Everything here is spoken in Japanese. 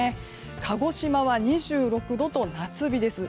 鹿児島は２６度と夏日です。